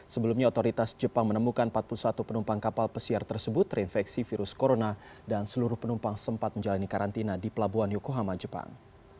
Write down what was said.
sebelumnya otoritas jepang menemukan empat puluh satu penumpang kapal pesiar tersebut terinfeksi virus corona dan seluruh penumpang sempat menjalani karantina di pelabuhan yokohama jepang